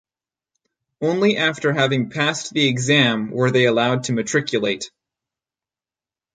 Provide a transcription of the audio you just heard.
Only after having passed the exam were they allowed to matriculate.